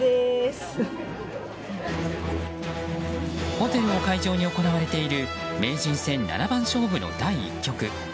ホテルを会場に行われている名人戦七番勝負の第１局。